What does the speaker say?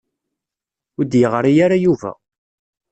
Ur d-yeɣri ara Yuba.